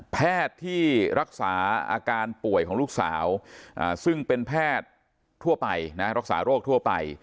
แพทย์ที่รักษาอาการป่วยของลูกสาวซึ่งเป็นแพทย์ทั่วไปนะรักษาโรคทั่วไป